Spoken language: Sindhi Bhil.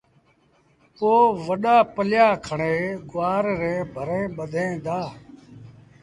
پو وڏآ پليآ کڻي گُوآر ريٚݩ ڀريٚݩ ٻڌيٚن دآ۔